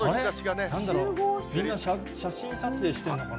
みんな写真撮影してるのかな。